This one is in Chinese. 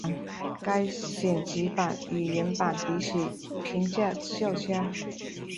该剪辑版与原版比起评价较佳。